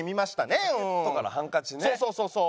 そうそうそうそう。